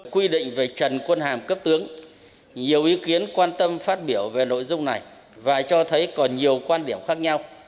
quy định về trần quân hàm cấp tướng nhiều ý kiến quan tâm phát biểu về nội dung này và cho thấy còn nhiều quan điểm khác nhau